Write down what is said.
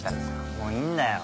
もういいんだよ。